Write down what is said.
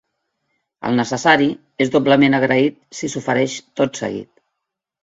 El necessari és doblement agraït si s'ofereix tot seguit.